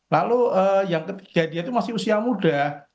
lalu yang ketiga dia itu masih usia muda